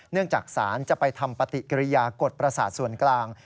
จากศาลจะไปทำปฏิกิริยากฎประสาทส่วนกลาง